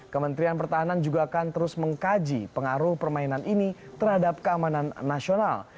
kementerian pertahanan juga akan terus mengkaji pengaruh permainan ini terhadap keamanan nasional